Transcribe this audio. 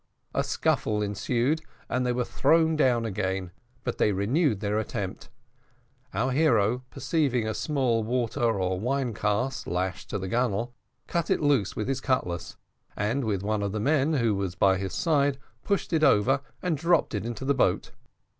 A scuffle ensued, and they were thrown down again, but they renewed their attempt. Our hero, perceiving a small water or wine cask lashed to the gunwale, cut it loose with his cutlass, and, with one of the men who was by his side, pushed it over, and dropped it into the boat.